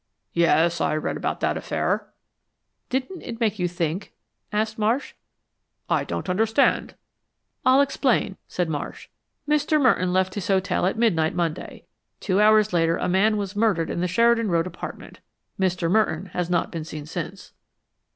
"Yes, I read about that affair." "Didn't it make you think?" asked Marsh. "I don't understand." "I'll explain," said Marsh. "Mr. Merton left his hotel at midnight Monday. Two hours later a man was murdered in the Sheridan Road apartment. Mr. Merton has not been seen since."